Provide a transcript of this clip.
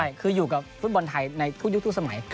ใช่คืออยู่กับฟุตบอลไทยในทุกยุคทุกสมัย